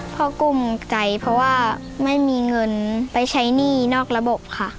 กุ้มใจเพราะว่าไม่มีเงินไปใช้หนี้นอกระบบค่ะ